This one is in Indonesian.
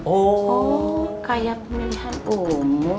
oh kayak pilihan umum